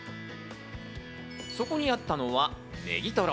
そこにあったのはネギトロ。